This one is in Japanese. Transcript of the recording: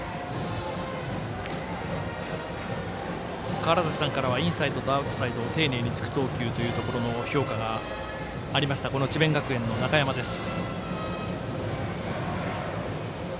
川原崎さんからはインサイドとアウトサイドを丁寧につく投球という評価がありましたこの智弁学園の中山です。